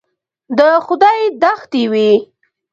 د خدای دښتې وې.